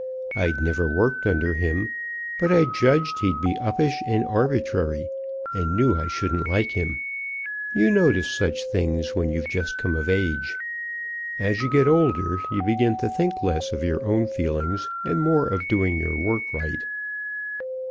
I'd never worked under him; but I judged he'd be uppish and arbitrary, and knew I shouldn't like him. You notice such things when you've just come of age. As you get older, you begin to think less of your own feelings, and more of doing your work right.